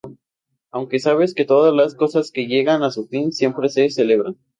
Aunque sabes que todas las cosas que llegan a su fin siempre se celebran.